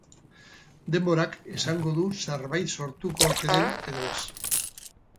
Denborak esango du zerbait sortuko ote den edo ez.